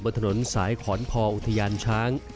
บนถนนสายขอนคออุทยานช้าง